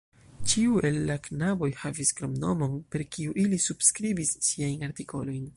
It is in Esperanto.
Ĉiu el la knaboj havis kromnomon, per kiu ili subskribis siajn artikolojn.